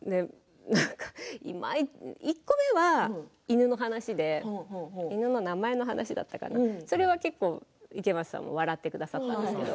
１個目は犬の話で犬の名前の話でそれは結構、池松さんも笑ってくださったんですよ。